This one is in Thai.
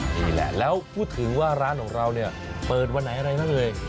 นี่แหละแล้วพูดถึงว่าร้านของเราเนี่ยเปิดวันไหนอะไรนักเอ่ย